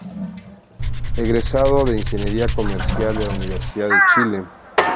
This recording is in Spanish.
Egresado de ingeniería comercial de la Universidad de Chile.